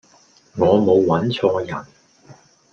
我無搵錯人